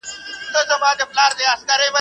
چي ژرنده ئې گرځي، بلا ئې پر ځي.